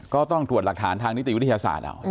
ก็ต้องตรวจหลักฐานทางนิติวิทยาศาสตร์เอา